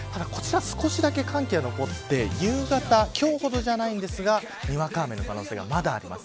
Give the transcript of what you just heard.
少しだけ寒気が残って夕方今日ほどではありませんがにわか雨の可能性がまだあります。